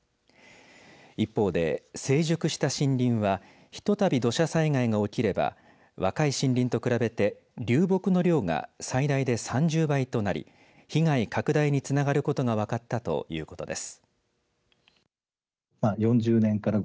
一方で成熟した森林はひとたび土砂災害が起きれば若い森林と比べて流木の量が最大で３０倍となり被害拡大につながることが分かったということです。